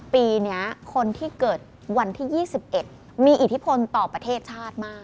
ปีนี้คนที่เกิดวันที่๒๑มีอิทธิพลต่อประเทศชาติมาก